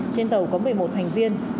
trên tàu có một mươi một thành viên